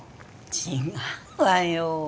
違うわよ